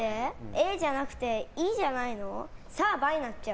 ＡじゃなくてＥじゃないの？